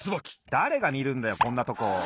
だれがみるんだよこんなとこ。